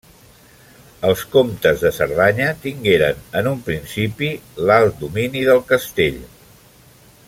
Els comtes de Cerdanya tingueren en un principi l'alt domini del castell.